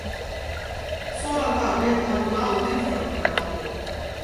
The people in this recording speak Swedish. Sådant arbete hade hon aldrig förr prövat på.